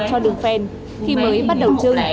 cho đường phen khi mới bắt đầu chứng